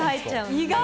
意外！